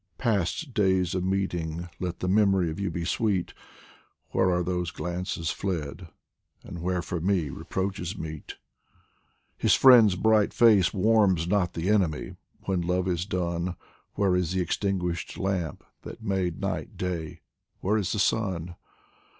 Past days of meeting, let the memory Of you be sweet ! Where are those glances fled, and where for me Reproaches meet ? DIVAN OF HAFIZ His friend's bright face warms not the enemy When love is done Where is the extinguished lamp that made night day, Where is the sun